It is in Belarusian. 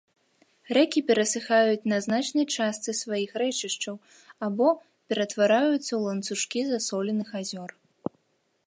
Рэкі перасыхаюць на значнай частцы сваіх рэчышчаў або ператвараюцца ў ланцужкі засоленых азёр.